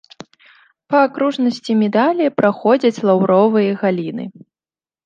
Па акружнасці медалі праходзяць лаўровыя галіны.